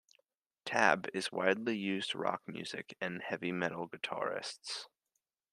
"Tab" is widely used rock music and heavy metal guitarists.